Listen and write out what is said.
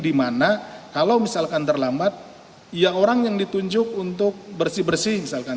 dimana kalau misalkan terlambat ya orang yang ditunjuk untuk bersih bersih misalkan